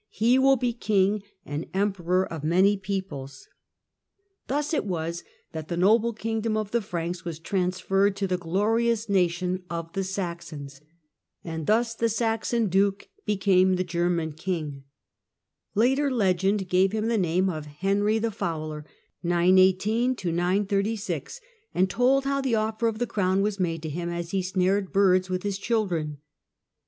He will be King and Emperor of many peoples." Thus it was that " the noble kingdom of the Franks was transferred to the glorious nation of the Saxons," and thus the Saxon duke became the German king. Later legend gave him the name of " Henry the Fowler," and told how the offer of Henry I. the crown was made to him as he snared birds with his gig 935 ^'^' children.